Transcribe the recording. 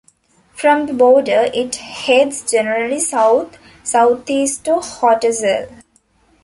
From the border, it heads generally south-south-east to Hotazel.